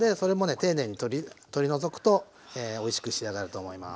丁寧に取り除くとおいしく仕上がると思います。